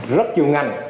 rất nhiều ngành